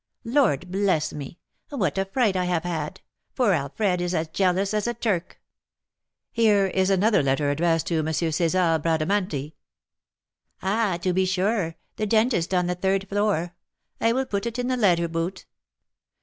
Lord bless me, what a fright I have had! for Alfred is as jealous as a Turk." "Here is another letter addressed to M. César Bradamanti." "Ah! to be sure, the dentist on the third floor. I will put it in the letter boot."